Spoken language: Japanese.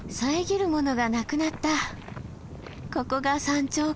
ここが山頂かな？